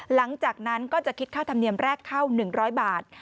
หลังจากนั้นก็จะคิดค่าธรรมเนียมแรกเข้า๑๐๐บาท